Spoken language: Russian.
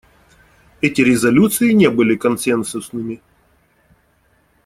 Эти резолюции не были консенсусными.